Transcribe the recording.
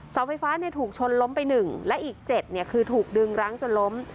เสาไฟฟ้าเนี่ยถูกชนล้มไปหนึ่งและอีกเจ็ดเนี่ยคือถูกดึงรั้งจนล้ม